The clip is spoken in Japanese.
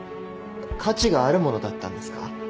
価値があるものだったんですか？